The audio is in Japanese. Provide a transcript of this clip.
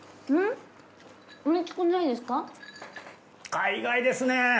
海外ですね。